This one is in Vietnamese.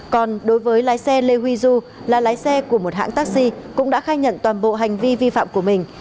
còn đối với lái xe lê huy du là lái xe của một hãng taxi cũng đã khai nhận toàn bộ hành vi vi phạm của mình